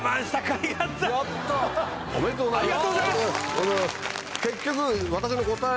ありがとうございます！